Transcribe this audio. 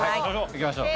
いきましょう。